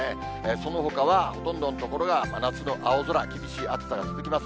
そのほかはほとんどの所が真夏の青空、厳しい暑さが続きます。